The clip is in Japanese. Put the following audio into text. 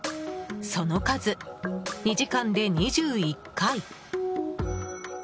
その数、２時間で２１回。